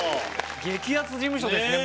激アツ事務所ですね